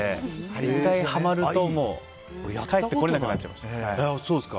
１回はまると帰ってこれなくなっちゃいました。